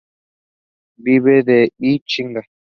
Viene del I Ching.